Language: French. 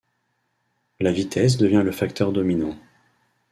La vitesse devient le facteur dominant.